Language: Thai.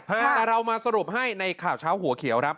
ถ้าเรามาสรุปให้ในข่าวเช้าหัวเขียว